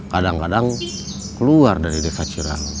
kadang kadang keluar dari desa cirah